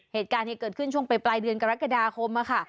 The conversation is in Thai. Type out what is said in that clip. เหตุการณ์เกิดขึ้นช่วงไปปลายเดือนกรกฎาคมค่ะ